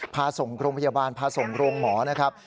พาส่งโรงพยาบาลพาส่งโรงหมอนะครับ